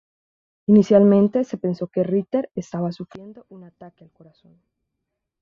Inicialmente, se pensó que Ritter estaba sufriendo un ataque al corazón.